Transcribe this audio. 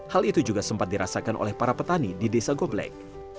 hal itu juga sempat dirasakan oleh para petani di desa gobleg